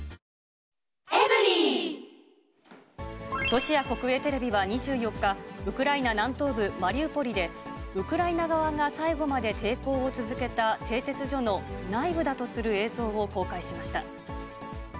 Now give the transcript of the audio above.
ロシア国営テレビは２４日、ウクライナ南東部マリウポリで、ウクライナ側が最後まで抵抗を続けた製鉄所の内部だとする映像を公開しました。